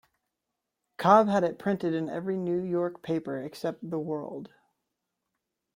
Cobb had it printed in every New York paper-except the "World".